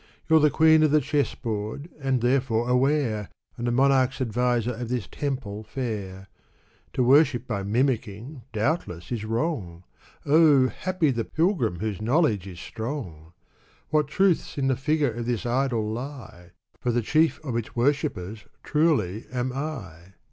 You're the queen of the chess board and therefore aware; And the monarch's adviser of this temple fair. To worship by mimicking, doubtless, is wrong ; Oh, happy the pilgrim whose knowledge is strong ! What truths in the figure of this idol lie ? For the chief of its worshippers, truly, am I